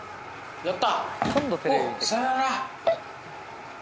やった。